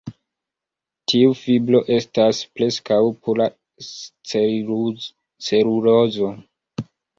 Tiu fibro estas preskaŭ pura celulozo.